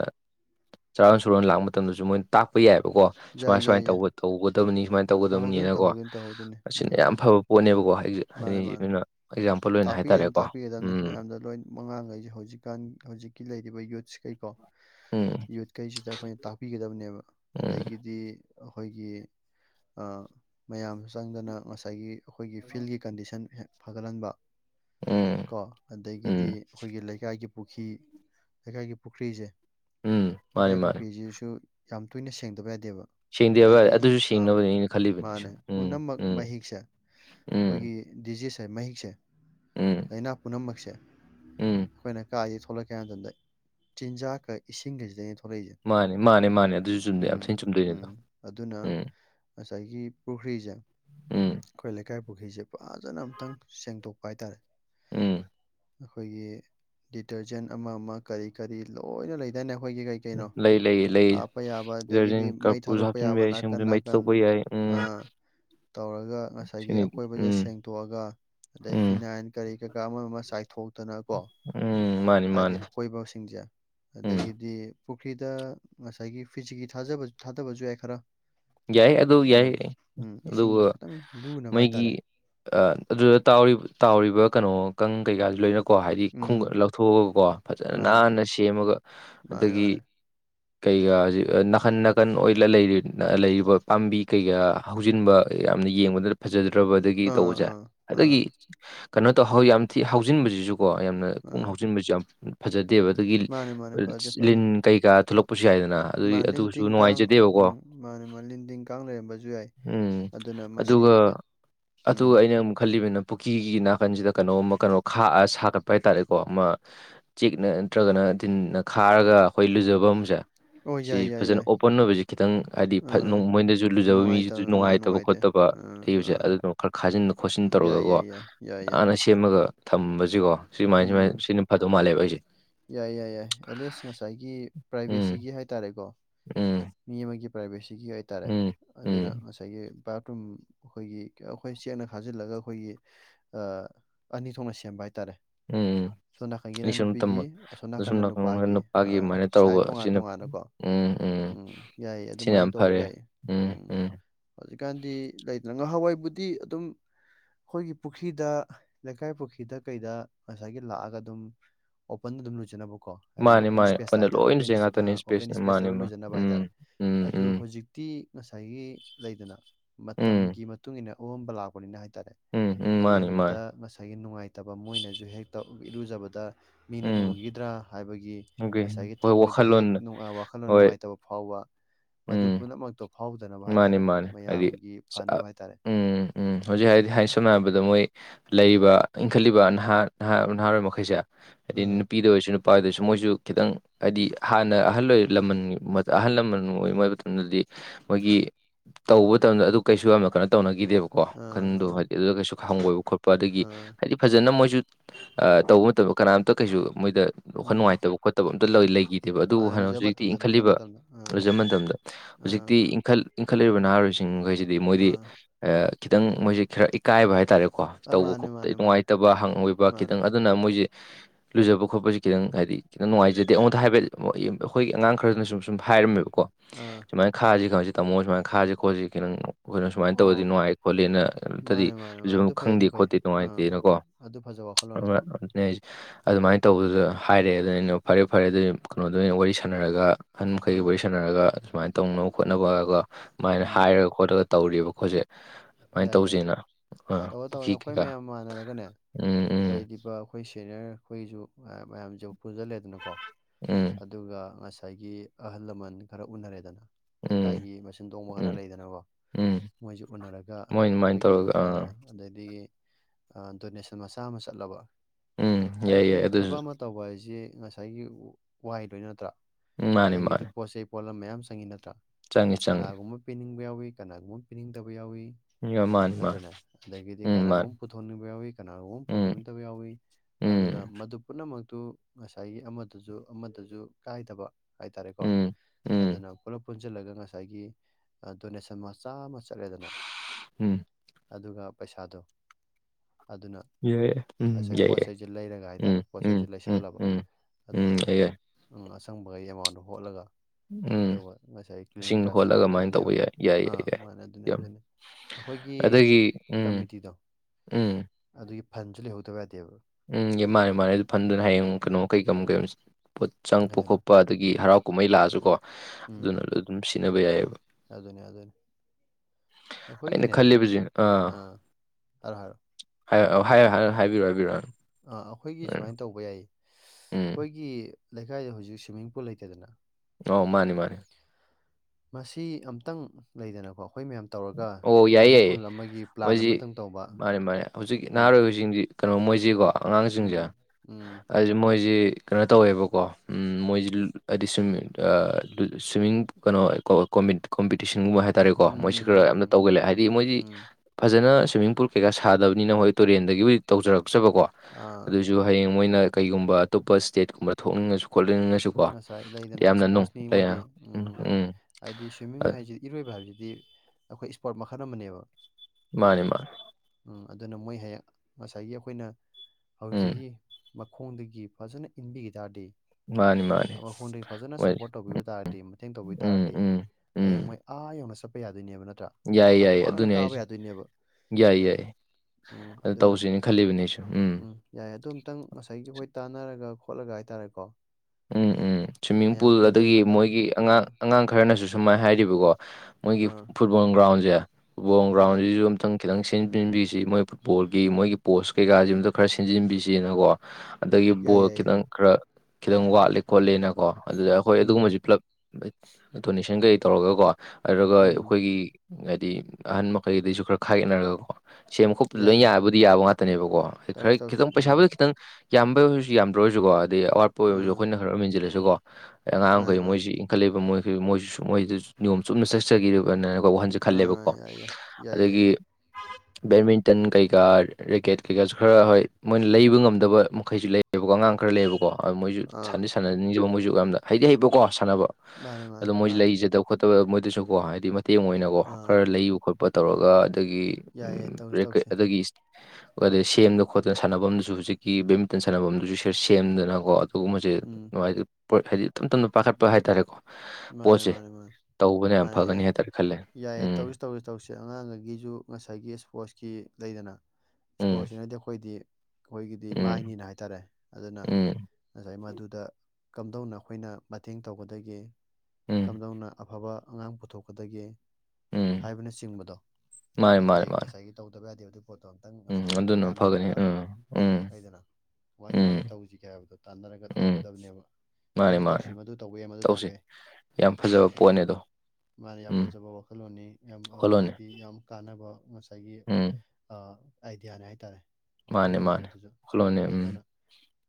ꯆꯔꯣꯟ ꯁꯨꯔꯣꯟ ꯂꯥꯛ ꯃꯇꯝꯗꯁꯨ ꯃꯣꯏꯅ ꯇꯥꯛꯄ ꯌꯥꯏꯑꯕꯀꯣ ꯌꯥꯏ ꯁꯨꯃꯥꯏ ꯌꯥꯏ ꯁꯨꯃꯥꯏꯅ ꯌꯥꯏ ꯇꯧꯕ ꯇꯧꯒꯗꯕꯅꯤ ꯁꯨꯃꯥꯏꯅ ꯇꯧꯍꯧꯗꯣꯏꯅꯤ ꯇꯧꯒꯗꯕꯅꯤꯅꯀꯣ ꯇꯧꯍꯧꯗꯣꯏꯅꯤ ꯇꯧꯍꯧꯗꯣꯏꯅꯤ ꯑꯁꯤꯅ ꯎꯝ ꯌꯥꯝ ꯐꯕ ꯄꯣꯠꯅꯦꯕꯀꯣ ꯍꯥꯏ ꯃꯥꯅꯦ ꯍꯥꯏꯗꯤꯅ ꯑꯦꯛꯖꯥꯝꯄꯜ ꯑꯣꯏꯅ ꯍꯥꯏꯇꯥꯔꯦꯀꯣ ꯗꯨꯅꯤ ꯎꯝ ꯃꯌꯥꯝꯗ ꯂꯣꯏ ꯃꯉꯥꯡꯈꯩꯁꯦ ꯍꯧꯖꯤꯛꯀꯥꯟ ꯍꯧꯖꯤꯛꯀꯤ ꯂꯩꯔꯤꯕ ꯌꯨꯠꯁ ꯈꯩꯀꯣ꯫ ꯎꯝ ꯌꯨꯠꯈꯩꯁꯤꯗ ꯑꯩꯈꯣꯏꯅ ꯇꯥꯛꯄꯤꯒꯗꯕꯅꯦꯕ ꯎꯝ ꯑꯗꯒꯤꯗꯤ꯫ ꯑꯩꯈꯣꯏꯒꯤ ꯃꯌꯥꯝꯁꯨ ꯆꯪꯗꯅ ꯉꯁꯥꯏꯒꯤ꯫ ꯑꯩꯈꯣꯏꯒꯤ ꯐꯤꯜꯒꯤ ꯀꯟꯗꯤꯁꯟ ꯍꯦꯛ ꯐꯒꯠꯍꯟꯕ꯫ ꯎꯝ ꯀꯣ ꯑꯗꯒꯤꯗꯤ ꯎꯝ ꯑꯩꯈꯣꯏꯒꯤ ꯂꯩꯀꯥꯏꯒꯤ ꯄꯨꯈꯤ ꯂꯩꯀꯥꯏꯒꯤ ꯄꯨꯈ꯭ꯔꯤꯁꯦ꯫ ꯎꯝ ꯃꯥꯅꯤ ꯂꯩꯀꯥꯏ ꯃꯥꯅꯤ ꯄꯨꯈ꯭ꯔꯤꯁꯤꯁꯨ ꯌꯥꯝ ꯇꯣꯏꯅ ꯁꯦꯡꯗꯕ ꯌꯥꯗꯦꯕ꯫ ꯁꯦꯡꯗꯦꯕ ꯍꯥꯏꯗꯤ ꯑꯗꯨꯁꯨ ꯁꯦꯡꯅꯕꯅꯦ ꯑꯩꯅ ꯃꯥꯅꯦ ꯈꯜꯂꯤꯕꯅꯤꯁꯨ ꯎꯝ ꯄꯨꯝꯅꯃꯛ ꯎꯝ ꯃꯍꯤꯛꯁꯦ ꯑꯩꯈꯣꯏꯒꯤ꯫ ꯗꯤꯖꯤꯁꯁꯦ ꯃꯍꯤꯛꯁꯦ ꯎ ꯂꯅꯥ ꯄꯨꯝꯅꯃꯛꯁꯦ ꯑꯩꯈꯣꯏꯅ ꯀꯥꯏꯁꯤ ꯊꯣꯛꯂꯛꯀꯦ ꯍꯥꯏ ꯃꯇꯝꯗ ꯆꯤꯟꯖꯥꯛꯀ ꯏꯁꯤꯡꯒꯁꯤꯗꯩꯅ ꯍ ꯃꯥꯅꯦ ꯃꯥꯅꯦ ꯃꯥꯅꯦ ꯑꯗꯨꯁꯨ ꯆꯨꯝꯗꯣꯏ ꯌꯥꯝ ꯎꯝ ꯊꯤꯅ ꯆꯨꯝꯗꯣꯏꯅꯦ ꯑꯗꯣ ꯎꯝ ꯑꯗꯨꯅ ꯎꯝ ꯉꯁꯥꯏꯒꯤ ꯄꯨꯈ꯭ꯔꯤꯁꯦ ꯎꯝ ꯑꯩꯈꯣꯏ ꯂꯩ ꯏꯀꯥꯏ ꯄꯨꯈ꯭ꯔꯤꯁꯦ ꯐꯖꯅ ꯑꯃꯨꯇꯪ ꯁꯦꯡꯗꯣꯛꯄ ꯍꯥꯏꯇꯥꯔꯦ ꯎꯝ꯫ ꯑꯩꯈꯣꯏꯒꯤ ꯗꯤꯇꯔꯖꯦꯟ ꯑꯃ ꯑꯃ ꯀꯔꯤ ꯀꯔꯤ ꯂꯣꯏꯅ ꯂꯩꯗꯥꯏꯅꯤ ꯑꯩꯈꯣꯏꯒꯤ ꯒꯩ꯫ ꯀꯩꯅꯣ ꯂꯩ ꯂꯩ ꯂꯩ ꯍꯥꯞꯄ ꯌꯥꯕ ꯑꯗꯒꯤꯗꯤ ꯗꯤꯇꯔꯖꯦꯟ ꯃꯩ ꯀꯔꯄꯨꯔꯁꯨ ꯊꯥꯗꯣꯛꯄ ꯍꯥꯞꯆꯤꯟꯕ ꯌꯥꯕ ꯌꯥꯏ ꯅꯥꯀꯟ ꯁꯤꯡꯁꯨ ꯃꯩ ꯅꯥꯀꯟ ꯊꯣꯛꯄ ꯌꯥꯏ ꯑ꯫ ꯎꯝ ꯇꯧꯔꯒ ꯉꯁꯥꯏꯒꯤ ꯁꯤꯅꯤ ꯑꯀꯣꯏꯕꯁꯦ ꯎꯝ ꯁꯦꯡꯇꯣꯛꯑꯒ꯫ ꯑꯗꯩ ꯎꯝ ꯐꯤꯅꯥꯏꯟ ꯀꯔꯤ ꯀꯩꯀꯥ ꯑꯃ ꯑꯃ ꯆꯥꯏꯊꯣꯛꯇꯅ ꯀꯣ꯫ ꯎꯝ ꯃꯥꯅꯤ ꯍꯥꯏꯗꯤ ꯃꯥꯅꯤ ꯑꯀꯣꯏꯕꯁꯤꯡꯁꯦ ꯎꯝ ꯑꯗꯒꯤꯗꯤ꯫ ꯄꯨꯈ꯭ꯔꯤꯗ ꯉꯁꯥꯏꯒꯤ ꯐꯤꯖꯤꯀꯤ ꯊꯥꯖꯕ ꯊꯥꯗꯕꯁꯨ ꯌꯥꯏ ꯈꯔ꯫ ꯌꯥꯏ ꯑꯗꯨ ꯎꯝ ꯌꯥꯏ ꯎꯝ ꯏꯁꯤꯡꯗꯣ ꯑꯗꯨꯒ ꯈꯤꯇꯪ ꯂꯨꯅꯕ ꯍꯥꯏꯇꯥꯔꯦ꯫ ꯃꯩꯒꯤ ꯑꯗꯨꯗ ꯇꯥꯎꯔꯤ ꯇꯥꯎꯔꯤꯕ ꯀꯩꯅꯣ ꯀꯪ ꯀꯩꯀꯥꯁꯨ ꯂꯣꯏꯅ꯫ ꯀꯣ ꯍꯥꯏꯗꯤ ꯈꯣꯡꯒꯠ ꯎꯝ ꯂꯧꯊꯣꯛꯑꯒ ꯀꯣ ꯐꯖꯅ ꯃꯥꯅꯦ ꯅꯥꯟꯅ ꯁꯦꯝꯃꯒ ꯃꯥꯅꯦ ꯑꯗꯒꯤ꯫ ꯃꯥꯅꯦ ꯀꯩꯀꯥ ꯍꯧꯖꯤꯛ ꯅꯥꯀꯟ ꯅꯥꯀꯟ ꯑꯣꯏꯗ ꯂꯩꯔꯤ꯫ ꯂꯩꯔꯤꯕ ꯄꯥꯝꯕꯤ ꯀꯩꯀꯥ ꯍꯧꯖꯤꯟꯕ ꯌꯥꯝꯅ ꯌꯦꯡꯕꯗ꯫ ꯐꯖꯗ꯭ꯔꯕꯗꯒꯤ ꯑꯥ ꯇꯧꯕꯁꯦ ꯑꯥ ꯑꯥ ꯑꯗꯒꯤ ꯑꯥ ꯀꯩꯅꯣ ꯇꯧ ꯌꯥꯝ ꯊꯤ ꯍꯧꯖꯤꯟꯕꯁꯤꯁꯨꯀꯣ ꯌꯥꯝꯅ꯫ ꯀꯣꯡ ꯑꯥ ꯍꯥꯎꯆꯤꯟꯕꯁꯨ ꯌꯥꯝ ꯐꯖꯗꯦꯕ ꯑꯗꯒꯤ ꯃꯥꯅꯦ ꯃꯥꯅꯦ ꯐꯗꯦ ꯐꯗꯦ ꯂꯤꯟ ꯀꯩꯀꯥ ꯊꯣꯛꯂꯛꯄꯁꯨ ꯌꯥꯏꯗꯅ꯫ ꯑꯗꯨꯏ ꯑꯗꯨꯁꯨ ꯅꯨꯡꯉꯥꯏꯖꯗꯦꯕꯀꯣ꯫ ꯃꯥꯅꯤ ꯃꯥꯂꯤꯟ ꯇꯤꯟ ꯀꯥꯡ ꯂꯩꯔꯝꯕꯁꯨ ꯌꯥꯏ ꯑꯗꯨꯅ ꯃꯁꯤ꯫ ꯑꯗꯨ ꯎꯝ ꯑꯩꯅ ꯑꯃꯨꯛ ꯈꯜꯂꯤꯕꯅ꯫ ꯄꯨꯈ꯭ꯔꯤꯒꯤ ꯅꯥꯀꯟꯁꯤꯗ ꯀꯩꯅꯣꯝꯃ ꯀꯩꯅꯣ ꯈꯥꯛꯑ ꯁꯥꯒꯠꯄ ꯍꯥꯏꯇꯥꯥꯔꯦꯀꯣ ꯑꯃ꯫ ꯆꯦꯛꯅ ꯅꯠꯇ꯭ꯔꯒꯅ ꯇꯤꯟꯅ ꯈꯥꯔꯒ ꯑꯩꯈꯣꯏ ꯂꯨꯖꯕꯝꯁꯦ꯫ ꯑꯣ ꯁꯤ ꯌꯥꯏ ꯌꯥꯏ ꯐꯖꯅ ꯌꯥꯏ ꯑꯣꯄꯟ ꯑꯣꯏꯕꯁꯤ ꯈꯤꯇꯪ꯫ ꯍꯥꯏꯗꯤ ꯐꯠ ꯑꯥ ꯅꯨꯡ ꯃꯣꯏꯗꯁꯨ ꯂꯨꯖꯕ ꯅꯨꯡꯉꯥꯏꯇ ꯃꯤꯁꯤꯁꯨ ꯑꯥ ꯅꯨꯡꯉꯥꯏꯇꯕ ꯅꯨꯡꯉꯥꯏꯇꯦ ꯈꯣꯠꯇꯕ ꯑꯥ ꯂꯩꯕꯁꯦ ꯑꯥ ꯑꯗꯨꯅ꯫ ꯈꯔ ꯈꯥꯖꯤꯟ ꯈꯣꯠꯆꯤꯟ ꯌꯥꯏ ꯇꯧꯔꯒꯀꯣ ꯌꯥꯏ ꯌꯥꯏ ꯌꯥꯏ ꯌꯥꯏ ꯅꯥꯟꯅ꯫ ꯁꯦꯝꯃꯒ ꯊꯝꯕꯁꯤꯀꯣ ꯁꯤꯃꯥꯏ ꯁꯨꯃꯥꯏꯅ ꯎꯝ ꯁꯤꯅ ꯐꯗꯧ ꯃꯥꯜꯂꯦꯕ ꯑꯩꯁꯦ꯫ ꯌꯥꯏ ꯌꯥꯏ ꯌꯥꯏ ꯑꯦꯂꯤꯁ ꯉꯁꯥꯏꯒꯤ ꯎꯝ ꯄ꯭ꯔꯥꯏꯚꯦꯁꯤꯒꯤ ꯍꯥꯏꯇꯥꯔꯦꯀꯣ꯫ ꯎꯝ ꯃꯤ ꯑꯃꯒꯤ ꯄ꯭ꯔꯥꯏꯕꯦꯁꯤꯒꯤ ꯍꯥꯏꯇꯥꯔꯦ꯫ ꯎꯝ ꯑꯗꯨꯅ ꯎꯝ ꯉꯁꯥꯏꯒꯤ ꯕꯥꯠꯔꯨꯝ ꯑꯩꯈꯣꯏꯒꯤ ꯑꯩꯈꯣꯏ ꯆꯦꯛꯅ ꯈꯥꯖꯤꯜꯂꯒ ꯑꯩꯈꯣꯏꯒꯤ꯫ ꯑꯅꯤ ꯊꯣꯛꯅ ꯁꯦꯝꯕ ꯍꯥꯏꯇꯥꯔꯦ ꯎꯝ ꯁꯣꯟ ꯅꯥꯀꯟꯒꯤꯅ ꯑꯅꯤ ꯁꯨꯝ ꯅꯨꯄꯤ꯫ ꯇꯝꯃ ꯅꯨꯄꯤꯒꯤ ꯑꯁꯣꯝ ꯁꯨꯝ ꯅꯥꯀꯟꯗ ꯅꯥꯀꯟ ꯅꯥꯀꯟ ꯅꯨꯄꯥꯒꯤ ꯑꯗꯨꯃꯥꯏꯅ ꯁꯥꯏꯠ ꯇꯧꯕ ꯇꯣꯉꯥꯟ ꯁꯤꯅ ꯇꯣꯉꯥꯟꯅꯀꯣ ꯎꯝ꯫ ꯌꯥꯏꯌꯦ ꯁꯤꯅ ꯑꯗꯨꯃꯥꯏꯅ ꯌꯥꯝ ꯇꯧꯕꯁꯨ ꯐꯔꯦ ꯌꯥꯏ ꯎꯝ꯫ ꯍꯧꯖꯤꯛꯀꯥꯟꯗꯤ ꯂꯩꯗꯅ ꯉꯍꯥꯟꯋꯥꯏꯕꯨꯗꯤ ꯑꯗꯨꯝ꯫ ꯑꯩꯈꯣꯏꯒꯤ ꯄꯨꯈ꯭ꯔꯤꯗ ꯂꯩꯀꯥꯏ ꯄꯨꯈ꯭ꯔꯤꯗ ꯀꯩꯗ ꯉꯁꯥꯏꯒꯤ ꯂꯥꯛꯑꯒ ꯑꯗꯨꯝ꯫ ꯑꯣꯄꯟꯗ ꯑꯗꯨꯝ ꯂꯣꯏꯖꯅꯕꯀꯣ꯫ ꯍꯥꯏꯕꯗꯤ ꯃꯥꯅꯤ ꯑꯣꯄꯟ ꯃꯥꯅꯤ ꯏꯁꯄꯦꯁꯇ ꯑꯩꯈꯣꯏꯅ ꯍꯥꯏꯇꯥꯔꯦ ꯂꯣꯏꯅ ꯆꯦ ꯉꯥꯛꯇꯅꯤ ꯑꯣꯄꯦꯟ ꯏꯁꯄꯦꯁꯅ ꯏꯁꯄꯦꯁꯇ ꯃꯥꯅꯤ ꯂꯣꯏ ꯃꯥ ꯂꯣꯏꯖꯟꯅꯕ ꯎꯝ ꯍꯥꯏꯇꯥꯔꯦ꯫ ꯎꯝ ꯑꯗꯨ ꯎꯝ ꯍꯧꯖꯤꯛꯇꯤ ꯉꯁꯥꯏꯒꯤ ꯂꯩꯗꯅ꯫ ꯎꯝ ꯃꯇꯝꯒꯤ ꯃꯇꯨꯡ ꯏꯟꯅ ꯑꯥꯑꯣꯟꯕ ꯂꯥꯛꯄꯅꯤꯅ ꯍꯥꯏꯇꯥꯔꯦ꯫ ꯎꯝ ꯎꯝ ꯃꯥꯅꯤ ꯃꯥꯅꯤ ꯌꯦꯡꯕꯗ ꯉꯁꯥꯏꯒꯤ ꯅꯨꯡꯉꯥꯏꯇꯕ ꯃꯣꯏꯅꯁꯨ ꯍꯦꯛꯇ ꯏꯔꯨꯖꯕꯗ꯫ ꯃꯤꯅ ꯎꯝ ꯎꯈꯤꯗ꯭ꯔꯥ ꯍꯥꯏꯕꯒꯤ ꯑꯣꯀꯦ ꯉꯁꯥꯏꯒꯤ ꯍꯣꯏ ꯊꯝꯃꯣꯏꯗ ꯍꯦꯛ ꯋꯥꯈꯜꯂꯣꯟ ꯋꯥꯈꯜꯂꯣꯟ ꯍꯣꯏ ꯅꯨꯡꯉꯥꯏꯇꯕ ꯐꯥꯎꯕ ꯃꯗꯨ ꯎꯝ ꯄꯨꯝꯅꯃꯛꯇꯣ ꯐꯥꯎꯗꯅꯕ ꯃꯥꯅꯤ ꯍꯥꯏꯇꯥꯔꯦ ꯃꯥꯅꯤ ꯍꯥꯏꯗꯤ ꯃꯌꯥꯝꯒꯤ ꯁ- ꯑ- ꯐꯅꯕ ꯍꯥꯏꯇꯥꯔꯦ ꯎꯝ ꯎꯝ ꯍꯧꯖꯤꯛ ꯍꯥꯏꯗꯤ ꯍꯥꯏ ꯁꯝꯅ ꯍꯥꯏꯔꯕꯗ ꯃꯣꯏ ꯂꯩꯔꯤꯕ ꯏꯟꯈꯠꯂꯤꯕ ꯅ ꯅ ꯅꯍꯥꯔ ꯃꯈꯩꯁꯦ ꯍꯥꯏꯗꯤ ꯑꯥ ꯅꯨꯄꯤꯗ ꯑꯣꯏꯔꯁꯨ ꯄꯥꯏꯗꯁꯨ ꯃꯣꯏꯁꯨ ꯈꯤꯇꯪ ꯍꯥꯏꯗꯤ ꯍꯥꯟꯅ ꯑꯍꯜ ꯑꯣꯏ ꯂꯃꯟ ꯑꯍꯜ ꯂꯃꯟ ꯑꯣꯏ ꯍꯥꯏ ꯃꯇꯝꯗꯗꯤ ꯃꯣꯏꯒꯤ ꯇꯧꯕ ꯃꯇꯝꯗ ꯑꯗꯨ ꯀꯩꯁꯨ ꯌꯥꯝꯅ ꯀꯩꯅꯣ ꯇꯧꯅꯈꯤꯗꯦꯕꯀꯣ꯫ ꯀꯣ ꯈꯟꯗꯣ ꯑꯥ ꯍꯥꯏꯗꯤ ꯑꯗꯨꯗ ꯀꯩꯁꯨ ꯍꯪꯕꯣꯏꯕ ꯈꯣꯠꯄ ꯑꯗꯒꯤ ꯑꯥ ꯍꯥꯏꯗꯤ꯫ ꯐꯖꯅ ꯃꯣꯏꯁꯨ ꯇꯧꯕ ꯅꯠꯇꯕ꯫ ꯀꯅꯥꯝꯇ ꯀꯩꯁꯨ ꯃꯣꯏꯗ ꯋꯥꯈꯜ ꯎꯝ ꯅꯨꯡꯉꯥꯏꯇꯕ ꯈꯣꯠꯇꯕ ꯑꯝꯇ ꯂꯩꯈꯤꯗꯦꯕ ꯑꯗꯨꯕꯨ ꯃꯥꯅꯦ ꯍꯅ ꯂꯨꯖ ꯍꯧꯖꯤꯛꯇꯤ ꯃꯇꯝꯗ ꯂꯨꯖ ꯏꯟꯈꯠꯂꯤꯕ꯫ ꯃꯇꯝꯗ ꯑꯥ ꯂꯩꯖ ꯃꯇꯝꯗ ꯍꯧꯖꯤꯛ꯫ ꯑꯥ ꯏꯟꯈꯠ ꯏꯟꯈꯠꯂꯛꯏꯕ ꯅꯍꯥꯔꯣꯁꯤꯡꯈꯩꯁꯤꯗꯤ ꯃꯣꯏꯗꯤ ꯑꯥ ꯈꯤꯇꯪ ꯃꯣꯏꯁꯤ ꯈꯔ ꯏꯀꯥꯏꯕ ꯍꯥꯏꯇꯥꯔꯦ꯫ ꯀꯣ ꯑꯥ ꯇꯧꯕ ꯃꯥꯅꯦ ꯈꯣꯄ ꯃꯥꯅꯦ ꯃꯥꯅꯦ ꯅꯨꯡꯉꯥꯏꯇꯕ ꯍꯪ ꯑꯣꯏꯕ ꯃꯥꯅꯦ ꯈꯤꯇꯪ꯫ ꯑꯗꯨꯅ ꯃꯣꯏꯁꯦ ꯂꯨꯖꯕ ꯈꯣꯠꯄꯁꯦ ꯈꯤꯇꯪ ꯍꯥꯏꯗꯤ ꯈꯤꯇꯪ ꯅꯨꯡꯉꯥꯏꯖꯗꯦ ꯑꯩꯉꯣꯟꯗ ꯍꯥꯏꯕꯦꯠ ꯑꯩꯈꯣꯏꯒꯤ ꯑꯉꯥꯡ ꯈꯔꯗꯅ ꯁꯨꯝ ꯁꯨꯝ ꯍꯥꯏꯔꯝꯃꯦꯕꯀꯣ ꯑꯥ ꯁꯨꯃꯥꯏꯅ ꯈꯥꯁꯤ ꯈꯪꯁꯤ ꯇꯃꯣ ꯁꯨꯃꯥꯏꯅ ꯈꯥꯁꯤ ꯈꯣꯠꯁꯤ ꯈꯤ ꯅꯪ ꯑꯩꯈꯣꯏꯅ ꯁꯨꯃꯥꯏꯅ ꯇꯧꯕꯔꯗꯤ ꯑꯣ ꯅꯨꯡꯉꯥꯏ ꯈꯣꯠꯂꯦꯅ ꯑꯝꯇꯗꯤ ꯃꯥꯅꯦ ꯃꯥꯅꯦ ꯃꯥꯅꯦ ꯑꯗꯨ ꯐꯩ ꯈꯪꯗꯦ ꯑꯗꯨ ꯐꯩ ꯈꯣꯠꯇꯦ ꯑꯥ ꯅꯨꯡꯉꯥꯏꯇꯦꯅꯀꯣ ꯑꯗꯨ ꯐꯖꯕ ꯋꯥꯈꯜꯂꯣꯟꯅꯤ ꯑꯗꯨꯅꯦ ꯑꯩꯁꯦ ꯑꯗꯨꯃꯥꯏꯅ ꯇꯧꯕꯗꯨꯗ ꯍꯥꯏꯔꯛꯑꯦ ꯑꯗꯨꯅ ꯑꯩꯅ ꯐꯔꯦ ꯐꯔꯦ ꯑꯗꯨ ꯀꯩꯅꯣꯗ ꯑꯩꯅ ꯋꯥꯔꯤ ꯁꯥꯟꯅꯔꯒ ꯑꯍꯟ ꯃꯈꯩꯒ ꯑꯥ ꯋꯥꯔꯤ ꯁꯥꯟꯅꯔꯒ ꯁꯨꯃꯥꯏꯅ ꯇꯧꯅꯕ ꯈꯣꯠꯅꯕꯒ ꯁꯃꯥꯏꯅ ꯎꯝ ꯍꯥꯏꯔꯒ ꯈꯔꯒ ꯈꯣꯠꯂꯒ ꯇꯧꯔꯤꯕ ꯈꯣꯏꯖꯦ ꯑꯗꯨꯃꯥꯏꯟ ꯇꯧꯁꯦꯅ ꯑꯥ ꯇꯧꯔ ꯇꯧꯔ ꯄꯨꯈ꯭ꯔꯤ ꯑꯈꯣꯏ ꯀꯩꯀꯥ ꯃꯌꯥꯝ ꯃꯥꯟꯅꯔꯒꯅꯦ ꯎꯝ ꯎꯝ ꯂꯩꯔꯤꯕ ꯑꯩꯈꯣꯏ ꯁꯦꯅꯤꯌꯔ ꯑꯩꯈꯣꯏꯖꯨ ꯑ ꯃꯌꯥꯝꯖꯨ ꯄꯨꯖꯜꯂꯦꯗꯅꯀꯣ ꯎꯝ ꯑꯗꯨꯒ ꯉꯁꯥꯏꯒꯤ ꯑꯍꯜ ꯂꯃꯟ ꯈꯔ ꯎꯅꯔꯦꯗꯅ ꯎꯝ ꯂꯩꯀꯥꯏꯒꯤ ꯃꯆꯤꯟ ꯇꯣꯡꯕ ꯈꯔ ꯎꯝ ꯂꯩꯗꯅꯀꯣ ꯎꯝ ꯃꯣꯏꯁꯤ ꯎꯅꯔꯒ ꯃꯣꯏ ꯑꯗꯨꯃꯥꯏꯅ ꯑꯩꯈꯣꯏꯒꯤ ꯇꯧꯔꯒ ꯑꯥ ꯑꯗꯗꯒꯤ ꯗꯣꯅꯦꯁꯟ ꯃꯆꯥ ꯑꯃ ꯆꯠꯂꯕ ꯎꯝ ꯌꯥꯏ ꯌꯥꯏ ꯍꯥꯏꯕꯗꯤ ꯑꯗꯨꯁꯨ ꯊꯕꯛ ꯑꯃ ꯇꯧꯕ ꯍꯥꯏꯁꯤ ꯉꯁꯥꯏꯒꯤ ꯋꯥꯏꯗꯣꯏ ꯅꯠꯇ꯭ꯔꯥ ꯎꯝ ꯃꯥꯅꯤ ꯑꯗꯒꯤꯗꯤ ꯃꯥꯅꯤ ꯄꯣꯠ ꯆꯩ ꯄꯣꯠꯂꯝ ꯃꯌꯥꯝ ꯆꯪꯏꯤ ꯅꯠꯇ꯭ꯔꯥ ꯆꯪꯉꯤ ꯆꯪꯉꯤ ꯀꯅꯥꯒꯨꯝꯕ ꯄꯤꯅꯤꯡꯕ ꯌꯥꯎꯏꯤ ꯀꯅꯥꯒꯨꯝꯕ ꯄꯤꯅꯤꯡꯗꯕ ꯌꯥꯎꯏ ꯎ ꯃꯥ ꯅꯠꯇ꯭ꯔꯅꯦ ꯑꯗꯒꯤꯗꯤ ꯀꯅꯥꯒꯨꯝ ꯄꯨꯊꯣꯛꯅꯤꯡꯕ ꯌꯥꯎꯏꯤ ꯀꯅꯥꯒꯨꯝ ꯎꯝ ꯄꯨꯊꯣꯛꯅꯤꯡꯗꯕ ꯌꯥꯎꯏꯤ ꯑꯗꯨꯅ ꯎꯝ ꯃꯗꯨ ꯄꯨꯝꯅꯃꯛꯇꯨ ꯉꯁꯥꯏꯒꯤ ꯑꯃꯗꯖꯨ ꯑꯃꯗꯖꯨ ꯀꯥꯏꯗꯕ ꯍꯥꯏꯇꯥꯔꯦꯀꯣ ꯎꯝ ꯎꯝ ꯑꯗꯨꯅ ꯄꯨꯂꯞ ꯄꯨꯟꯖꯜꯂꯒ ꯉꯁꯥꯏꯒꯤ ꯑ ꯗꯣꯅꯦꯁꯟ ꯃꯆꯥ ꯑꯃ ꯆꯠꯂꯦꯗꯅ ꯎꯝ ꯑꯗꯨꯒ ꯄꯩꯁꯥꯗꯣ ꯑꯗꯨꯅ ꯌꯥꯏ ꯌꯥꯏ ꯎꯝ ꯉꯁꯥꯏ ꯌꯥꯏ ꯌꯥꯏ ꯄꯣꯠꯆꯩꯖꯦ ꯂꯩꯔꯒ ꯎꯝ ꯍꯥꯏꯇꯥꯔꯦ ꯎꯝ ꯄꯣꯠꯆꯩꯖꯦ ꯎꯝ ꯂꯩꯁꯜꯂꯕ ꯎꯝ ꯎꯝ ꯑꯗꯨꯒ ꯌꯥꯏ ꯌꯥꯏ ꯎꯝ ꯑꯆꯪꯕꯒꯩ ꯑꯦꯃꯥꯎꯟꯗꯣ ꯍꯣꯠꯂꯒ ꯎꯝ ꯑꯗꯨꯒ ꯉꯁꯥꯏ ꯀ꯭ꯂꯤꯅꯤꯡ ꯏꯁꯤꯡ ꯇꯥꯏꯞꯁꯦ ꯍꯣꯠꯂꯒ ꯑꯗꯨꯃꯥꯏꯅ ꯇꯧꯕ ꯍꯧꯒꯗꯕꯅꯦꯕ ꯌꯥꯏ ꯌꯥꯏ ꯑꯥ ꯌꯥꯏ ꯃꯥꯅꯦ ꯑꯗꯨꯅꯦ ꯌꯥꯝ ꯑꯗꯨꯅꯦ ꯑꯈꯣꯏꯒꯤ ꯑꯗꯒꯤ ꯎꯝ ꯀꯝꯃꯤꯇꯤꯗꯣ ꯎꯝ ꯑꯗꯨꯒꯤ ꯐꯟꯁꯨ ꯂꯩꯍꯧꯗꯕ ꯌꯥꯗꯦꯕ ꯎꯝ ꯏ ꯃꯥꯅꯦ ꯃꯥꯅꯦ ꯑꯗꯨ ꯐꯟꯗꯨꯅ ꯎꯝ ꯍꯌꯦꯡ ꯀꯩꯅꯣ ꯀꯩ ꯀꯝ ꯀꯩꯅꯣ ꯁꯤ ꯄꯣꯠ ꯆꯪꯉꯛꯄ ꯑꯗꯨꯅꯤ ꯈꯣꯠꯄ ꯑꯗꯒꯤ ꯎꯝ ꯍꯔꯥꯎ ꯀꯨꯝꯍꯩ ꯂꯥꯛꯑꯁꯨꯀꯣ ꯎꯝ ꯑꯗꯨꯅ ꯑꯗꯨ ꯑꯗꯨꯝ ꯁꯤꯖꯤꯟꯅꯕ ꯌꯥꯏꯌꯦꯕ ꯑꯗꯨꯅꯦ ꯑꯗꯨꯅꯦ ꯑꯩꯅ ꯑꯈꯣꯏꯒꯤꯅꯦ ꯈꯜꯂꯤꯕꯁꯦ ꯑꯥ ꯍꯥꯏꯔꯛꯑꯣ ꯍꯥꯏꯔꯛꯑꯣ ꯍꯥꯏꯔꯛꯑꯣ ꯍꯥꯏꯔꯣ ꯍꯥꯏꯔꯣ ꯍꯥꯏꯕꯤꯔꯛꯑꯣ ꯍꯥꯏꯕꯤꯔꯛꯑꯣ ꯑ ꯑꯈꯣꯏꯒꯤ ꯁꯨꯃꯥꯏꯅ ꯇꯧꯕ ꯌꯥꯏꯌꯦ ꯎꯝ ꯑꯈꯣꯏꯒꯤ ꯂꯩꯀꯥꯏꯗ ꯍꯧꯖꯤꯛ ꯁ꯭ꯋꯤꯝꯃꯤꯡ ꯄꯨꯜ ꯂꯩꯇꯦꯗꯅ ꯑꯣ ꯃꯥꯅꯦ ꯃꯥꯅꯦ ꯃꯁꯤ ꯑꯝꯇꯪ ꯂꯩꯗꯅꯀꯣ ꯑꯈꯣꯏ ꯃꯌꯥꯝ ꯇꯧꯔꯒ ꯑꯣ ꯌꯥꯏꯌꯦ ꯁ꯭ꯋꯤꯝꯃꯤꯡ ꯄꯨꯜ ꯌꯥꯏꯌꯦ ꯑꯃꯒꯤ ꯄ꯭ꯂꯥꯟ ꯃꯣꯏꯖꯤ ꯑꯃꯇꯪ ꯇꯧꯕ ꯃꯥꯅꯤ ꯃꯥꯅꯦ ꯍꯧꯖꯤꯛ ꯎꯝ ꯅꯍꯥꯔꯣꯏꯕꯖꯤꯡꯖꯤ ꯀꯩꯅꯣ ꯃꯣꯏꯖꯤꯀꯣ ꯑꯉꯥꯡꯁꯤꯡꯁꯦ ꯎꯝ ꯎꯝ ꯍꯥꯏꯗꯤ ꯃꯣꯏꯖꯤ ꯀꯩꯅꯣ ꯇꯧꯋꯦꯕꯀꯣ ꯎꯝ ꯃꯣꯏꯖꯤ ꯂꯨꯞ ꯍꯥꯏꯗꯤ ꯁ꯭ꯋꯤꯝꯃꯤꯡꯗ ꯁ꯭ꯋꯤꯝꯃꯤꯡ ꯀꯩꯅꯣ ꯀꯣ ꯀꯣꯝꯃꯤꯟ ꯀꯣꯝꯄꯤꯇꯤꯁꯟꯒꯨꯝꯕ ꯍꯥꯏ ꯎꯝ ꯎꯝ ꯇꯥꯔꯦꯀꯣ ꯃꯣꯏꯁꯤ ꯈꯔ ꯎꯝ ꯌꯥꯝꯅ ꯎꯝ ꯇꯧꯒꯂꯦ ꯎꯝ ꯍꯥꯏꯗꯤ ꯃꯣꯏꯗꯤ ꯎꯝ ꯐꯖꯅ ꯁ꯭ꯋꯤꯝꯃꯤꯡ ꯄꯨꯜ ꯀꯩꯀꯥ ꯁꯥꯗꯕꯅꯤꯅ ꯃꯣꯏ ꯇꯨꯔꯦꯟꯗꯒꯤꯕꯨꯗꯤ ꯇꯧꯖꯔꯛꯆꯕꯀꯣ ꯑꯥ ꯗꯨꯒ ꯍꯌꯦꯡ ꯃꯣꯏꯅ ꯀꯩꯒꯨꯝꯕ ꯑꯇꯣꯞꯄ ꯁ꯭ꯇꯦꯠꯀꯨꯝꯕ ꯊꯣꯛꯅꯤꯡꯉꯁꯨ ꯈꯣꯠꯅꯤꯡꯉꯁꯨ ꯉꯁꯥꯏ ꯂꯩꯗꯅ ꯏꯁꯄ꯭ꯔꯣꯠꯁꯅꯤ ꯃꯣꯏꯗꯤ ꯎꯝ ꯍꯥꯏꯗꯤ ꯁ꯭ꯋꯤꯝꯃꯤꯡ ꯍꯥꯏꯖꯤ ꯏꯔꯣꯏꯕ ꯍꯥꯏꯕꯖꯤꯗꯤ ꯑꯈꯣꯏ ꯏꯁ꯭ꯄꯔꯣꯠ ꯃꯈꯜ ꯑꯃꯅꯦꯕ ꯃꯥꯅꯦ ꯃꯥꯅꯦ ꯎꯝ ꯑꯗꯨꯅ ꯃꯣꯏ ꯍꯌꯦꯡ ꯉꯁꯥꯏꯒꯤ ꯑꯈꯣꯏꯅ ꯎꯝ ꯍꯧꯖꯤꯒꯤ ꯃꯈꯣꯡꯗꯒꯤ ꯐꯖꯅ ꯏꯟꯕꯤꯒꯤ ꯇꯥꯔꯗꯤ ꯃꯥꯅꯤ ꯃꯥꯅꯤ ꯃꯈꯣꯡꯗꯒꯤ ꯐꯖꯅ ꯍꯣꯏ ꯁꯞꯄꯣꯔꯠ ꯇꯧꯕꯤꯕ ꯇꯥꯔꯗꯤ ꯃꯇꯦꯡ ꯇꯧꯕꯤ ꯎꯝ ꯇꯥꯔꯗꯤ ꯎꯝ ꯍꯌꯦꯡ ꯎꯝ ꯃꯣꯏ ꯑꯥ ꯌꯧꯅ ꯆꯠꯄ ꯌꯥꯗꯣꯏꯅꯦꯕ ꯅꯠꯇ꯭ꯔꯥ ꯌꯥꯏ ꯊꯥꯛ ꯌꯥꯏ ꯋꯥꯡꯅ ꯑꯗꯨꯅꯦ ꯀꯥꯕ ꯑꯩꯁꯦ ꯌꯥꯗꯣꯏꯅꯦꯕ ꯌꯥꯏ ꯎꯝ ꯌꯥꯏ ꯎꯝ ꯑꯗꯨ ꯑꯗꯨꯅ ꯇꯧꯁꯤꯅ ꯈꯜꯂꯤꯕꯅꯦ ꯑꯩꯁꯨ ꯎꯝ ꯌꯥꯏ ꯑꯗꯨꯝꯇꯪ ꯉꯁꯥꯏꯒꯤ ꯍꯣꯏ ꯇꯥꯟꯅꯔꯒ ꯈꯣꯠꯂꯒ ꯍꯥꯏꯇꯥꯔꯦꯀꯣ ꯎꯝ ꯎꯝ ꯁ꯭ꯋꯤꯝꯃꯤꯡ ꯃꯌꯥꯝ ꯄꯨꯜ ꯑꯗꯒꯤ ꯄꯨꯟꯁꯤꯜꯂꯒ ꯃꯣꯏꯒꯤ ꯑꯉꯥꯡ ꯑꯥ ꯑꯉꯥꯡ ꯈꯔꯅꯁꯨ ꯁꯨꯃꯥꯏꯅ ꯍꯥꯏꯔꯤꯕꯀꯣ ꯃꯣꯏꯒꯤ ꯑꯥ ꯐꯨꯠꯕꯣꯜ ꯒ꯭ꯔꯥꯎꯟꯖꯦ ꯕꯣꯜ ꯑꯥ ꯒ꯭ꯔꯥꯎꯟꯖꯤꯖꯨ ꯑꯝꯇꯪ ꯈꯤꯇꯪ ꯁꯤꯟꯖꯤꯟꯕꯤꯁꯤ ꯃꯣꯏ ꯐꯨꯠꯕꯣꯜꯒꯤ ꯃꯣꯏꯒꯤ ꯄꯣꯁ ꯀꯩꯀꯥꯁꯤ ꯑꯇ ꯈꯔ ꯁꯦꯝꯟꯖꯤꯟꯕꯤꯁꯤꯅꯀꯣ ꯑꯗꯒꯤ ꯌꯥꯏ ꯕꯣꯜ ꯌꯥꯏ ꯌꯥꯏ ꯈꯤꯇꯪ ꯈꯔ ꯈꯤꯇꯪ ꯋꯥꯠꯂꯦ ꯈꯣꯠꯂꯦꯅꯀꯣ ꯑꯗꯨꯗ ꯑꯩꯈꯣꯏ ꯎꯝ ꯑꯗꯨꯒꯨꯝꯕꯕꯁꯤ ꯄꯨꯂꯞ ꯗꯣꯅꯦꯁꯟ ꯀꯩ ꯇꯧꯔꯒꯀꯣ ꯑꯗꯨꯒ ꯎꯝ ꯑꯩꯈꯣꯏꯒꯤ ꯍꯥꯏꯗꯤ ꯑꯍꯟ ꯃꯈꯩꯗꯒꯤꯁꯨ ꯈꯔ ꯈꯥꯏꯒꯠꯅꯔꯒꯀꯣ ꯁꯦꯝ ꯈꯨꯞꯇ ꯌꯥꯏ ꯂꯣꯏ ꯌꯥꯏ ꯌꯥꯕꯨꯗꯤ ꯌꯥꯕ ꯉꯥꯛꯇꯅꯦꯕꯀꯣ ꯈꯔ ꯇꯧꯁꯤ ꯇꯧꯁꯤ ꯈꯤꯇꯪ ꯎꯝ ꯄꯩꯁꯥꯕꯨꯗꯤ ꯈꯤꯇꯪ ꯌꯥꯝꯕ ꯑꯣꯏꯔꯁꯨ ꯌꯥꯝꯗ꯭ꯔ ꯑꯣꯏꯔꯁꯨꯀꯣ ꯑꯗꯗꯤ ꯑꯋꯥꯠꯄ ꯑꯣꯏꯔꯁꯨ ꯎꯝ ꯑꯩꯈꯣꯏꯅ ꯈꯔ ꯑꯣꯏ ꯃꯦꯟꯁꯤꯜꯂꯁꯨꯀꯣ ꯃꯥꯅꯦ ꯑꯉꯥꯡꯈꯩ ꯃꯥꯅꯦ ꯃꯣꯏꯁꯤ ꯏꯟꯈꯠꯂꯛꯕ ꯃꯣꯏꯈꯩ ꯃꯣꯏꯁꯤꯁꯨ ꯃꯣꯏꯁꯨ ꯅꯤꯌꯣꯝ ꯆꯨꯝꯅ ꯆꯠꯆꯅ ꯁꯦ ꯃꯥꯅꯦ ꯈꯜꯂꯦꯕꯀꯣ ꯃꯥꯅꯦ ꯌꯥꯏ ꯌꯥꯏ ꯌꯥꯏ ꯑꯗꯒꯤ [unintelligible] ꯕꯦꯠꯃꯤꯟꯇꯟ ꯀꯩꯀꯥ ꯔꯦꯀꯦꯠ ꯀꯩꯀꯥꯁꯨ ꯈꯔ ꯍꯣꯏ ꯃꯣꯏꯅ ꯂꯩꯕ ꯉꯝꯗꯕ ꯃꯈꯩꯁꯨ ꯂꯩ ꯑꯣꯏꯕ ꯋꯥꯉꯥꯡ ꯈꯔ ꯂꯩꯑꯦꯕꯀꯣ ꯑ ꯃꯣꯏꯖꯨ ꯑꯥ ꯁꯥꯟꯗꯤ ꯁꯥꯟꯅꯅꯤꯡꯖꯕ ꯃꯣꯏꯖꯨ ꯌꯥꯝꯅ ꯍꯩꯗꯤ ꯍꯩꯕꯀꯣ ꯁꯥꯟꯅꯕ ꯃꯥꯅꯦ ꯑꯗꯣ ꯃꯥꯅꯦ ꯃꯣꯏꯖꯨ ꯃꯥꯅꯦ ꯂꯩꯖꯗꯕ ꯈꯣꯠꯇꯕ ꯃꯣꯏꯗꯁꯨꯀꯣ ꯍꯥꯏꯗꯤ ꯃꯇꯦꯡ ꯑꯣꯏꯅꯀꯣ ꯑꯥ ꯈꯔ ꯂꯩꯕ ꯈꯣꯠꯄ ꯇꯧꯔꯒ ꯑꯈꯣꯏꯒꯤ ꯌꯥꯏ ꯌꯥꯏ ꯎꯝ ꯇꯧꯁꯤ ꯔꯦꯠꯀ ꯇꯧꯁꯤ ꯑꯗꯒꯤꯁ ꯑꯗꯩ ꯁꯦꯝꯗ ꯈꯣꯠꯇꯅ ꯁꯥꯟꯅꯐꯝꯗꯨꯁꯨ ꯍꯧꯖꯤꯛꯀꯤ ꯕꯦꯠꯃꯤꯟꯇꯟ ꯁꯥꯟꯅꯐꯝꯗꯨꯁꯨ ꯁꯨ ꯁꯦꯝꯗꯅꯀꯣ ꯑꯗꯨꯒꯨꯝꯕꯁꯦ ꯎꯝ ꯅꯨꯡꯉꯥꯏꯗꯤ ꯄ꯭ꯔꯞ ꯍꯥꯏꯗꯤ ꯇꯞ ꯇꯞꯅ ꯄꯥꯈꯠꯄ ꯍꯥꯏꯇꯥꯔꯦꯀꯣ ꯃꯥꯅꯦ ꯄꯣꯠꯁꯦ ꯃꯥꯅꯦ ꯃꯥꯅꯦ ꯇꯧꯕꯅ ꯌꯥꯝ ꯃꯥꯅꯦ ꯑꯦ ꯐꯒꯅꯤ ꯍꯥꯏꯇꯥꯔꯦ ꯈꯜꯂꯦ ꯌꯥꯏꯌꯦ ꯎꯝ ꯇꯧꯔꯤꯁꯤ ꯇꯧꯔꯤꯁꯤ ꯇꯧꯁꯤ ꯑꯉꯥꯡꯉꯒꯤꯁꯨ ꯉꯁꯥꯏꯒꯤ ꯏꯁꯄꯣꯔꯠꯁꯀꯤ ꯂꯩꯗꯅ ꯎꯝ ꯏꯁꯄꯣꯔꯠꯁꯤꯅꯗꯤ ꯑꯩꯈꯣꯏꯗꯤ ꯑꯩꯈꯣꯏꯒꯤꯗꯤ ꯎꯝ ꯃꯥꯏꯅꯤꯅ ꯍꯥꯏꯇꯥꯔꯦ ꯑꯗꯨꯅ ꯎꯝ ꯉꯁꯥꯏ ꯃꯗꯨꯗ ꯀꯝꯗꯧꯅ ꯑꯩꯈꯣꯏꯅ ꯃꯇꯦꯡ ꯇꯧꯒꯗꯒꯦ ꯎꯝ ꯀꯝꯗꯧꯅ ꯑꯐꯕ ꯑꯉꯥꯡ ꯄꯨꯊꯣꯛꯀꯗꯒꯦ ꯎꯝ ꯍꯥꯏꯕꯅꯆꯤꯡꯕꯗꯣ ꯃꯥꯅꯦ ꯑꯩꯈꯣꯏ ꯃꯥꯅꯦ ꯃꯥꯅꯦ ꯉꯁꯥꯏꯒꯤ ꯇꯧꯗꯕ ꯌꯥꯗꯦꯕ ꯑꯗꯨ ꯄꯣꯠꯇꯣ ꯈꯤꯇꯪ ꯎꯝ ꯉꯁꯥꯏ ꯐꯖꯅ ꯑꯗꯨꯅ ꯐꯒꯅꯤ ꯇꯥꯟꯅꯔꯒ ꯎꯝ ꯎꯝ ꯂꯩꯗꯅ ꯀꯃꯥꯏ ꯎꯝ ꯀꯃꯥꯏꯅ ꯇꯧꯁꯤꯒꯦ ꯍꯥꯏꯕꯗꯣ ꯇꯥꯟꯅꯔꯒ ꯎꯝ ꯇꯧꯒꯗꯕꯅꯦꯕ ꯃꯥꯅꯦ ꯇꯧꯁꯤ ꯃꯥꯅꯦ ꯇꯧꯁꯤ ꯃꯗꯨ ꯇꯧꯕ ꯌꯥꯏ ꯃꯗꯨ ꯇꯧꯕ ꯇꯧꯁꯤ ꯌꯥꯏ ꯌꯥꯝ ꯐꯖꯕ ꯄꯣꯠꯅꯦꯗꯣ ꯃꯥꯅ ꯌꯥꯝ ꯎꯝ ꯐꯖꯕ ꯋꯥꯈꯜꯂꯣꯟꯅꯤ ꯌꯥꯝ ꯍꯣꯠꯂꯣꯅꯦ ꯑꯗꯒꯤꯗꯤ ꯌꯥꯝ ꯀꯥꯟꯅꯕ ꯉꯁꯥꯏ ꯉꯁꯥꯏꯒꯤ ꯎꯝ ꯑꯥꯏꯗꯤꯌꯥꯅꯦ ꯍꯥꯏꯇꯥꯔꯦ ꯃꯥꯅꯦ ꯋꯥꯈꯜꯂꯣꯟꯅꯦ ꯃꯥꯅꯦ ꯃꯗꯨꯁꯨ ꯎꯝ ꯍꯣꯠꯂꯣꯅꯦ ꯑꯗꯨꯅ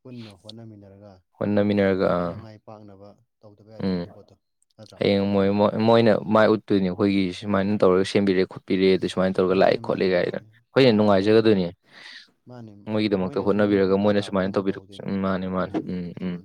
ꯄꯨꯟꯅ ꯍꯣꯠꯅꯃꯤꯟꯅꯔꯒ ꯑꯣꯟꯅ ꯃꯤꯅ ꯑꯃꯨꯛꯇꯪ ꯃꯥꯏ ꯄꯥꯛꯅꯕ ꯇꯧꯗꯕ ꯌꯥꯗꯦꯕ ꯎꯝ ꯑꯗꯨ ꯄꯣꯠꯇꯣ ꯅꯠꯇ꯭ꯔꯥ ꯍꯌꯦꯡ ꯃꯣꯏ ꯃꯣꯏꯅ ꯎꯝ ꯃꯥꯏ ꯎꯠꯇꯣꯏꯅꯤ ꯑꯩꯈꯣꯏꯒꯤ ꯁꯨꯃꯥꯏꯅ ꯇꯧꯔꯒ ꯁꯦꯝꯕꯤꯔꯛꯑꯦ ꯄꯤꯔꯛꯑꯦ ꯑꯗꯨ ꯁꯨꯃꯥꯏꯅ ꯇꯧꯔꯒ ꯂꯥꯛꯑꯦ ꯃꯥꯅꯦ ꯈꯣꯠꯂꯦ ꯃꯥꯅꯦ ꯃꯥꯅꯦ ꯀꯥꯏꯒꯅ ꯍꯣꯏ ꯍ ꯃꯥꯅꯦ ꯑꯗꯩ ꯅꯨꯡꯉꯥꯏꯖꯒꯗꯣꯏꯅꯦ ꯃꯥꯅꯦ ꯃꯣꯏꯒꯤꯗꯃꯛꯇ ꯃꯣꯏꯅꯁꯨ ꯑꯃꯨꯛ ꯍꯣꯠꯅꯕꯤꯔꯒ ꯃꯈꯥ ꯃꯣꯏꯅ ꯇꯥꯕꯗ ꯁꯨꯃꯥꯏꯅ ꯑꯃꯨꯛ ꯇꯧꯕꯤꯔꯛꯄ ꯇꯧꯍꯧꯗꯣꯏꯅꯤ ꯎꯝ ꯃꯥꯅꯤ ꯃꯥꯅꯤ ꯎꯝ ꯎꯝ